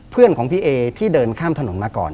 เพื่อนของพี่เอที่เดินข้ามถนนมาก่อน